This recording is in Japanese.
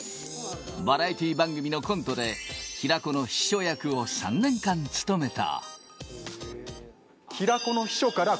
バラエティー番組のコントで平子の秘書役を３年間務めた。